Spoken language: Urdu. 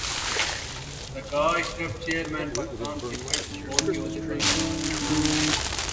Zaka Ashraf chairman Pakistan cricket board کے عہدے پر بحال